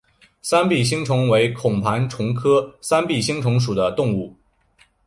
三臂星虫为孔盘虫科三臂星虫属的动物。